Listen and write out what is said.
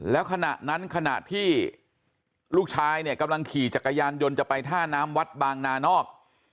แล้วขณะนั้นขณะที่ลูกชายเนี่ยกำลังขี่จักรยานยนต์จะไปท่าน้ำวัดบางนานอก